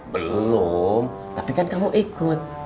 belum tapi kan kamu ikut